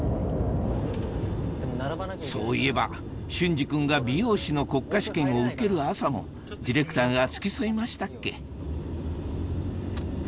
そういえば隼司君が美容師の国家試験を受ける朝もディレクターが付き添いましたっけ